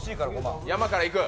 山からいく。